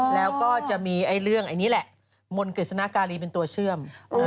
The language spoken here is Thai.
แล้วก็จะมีเรื่องอันนี้แหละมนต์กฤษณาการีเป็นตัวเชื่อม